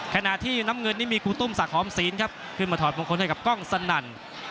ขณะที่น้ำเงินนี่มีครูตุ้มศักดิหอมศีลครับขึ้นมาถอดมงคลให้กับกล้องสนั่น